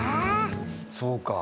・そうか。